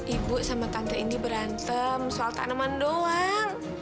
ibu sama tante ini berantem soal tanaman doang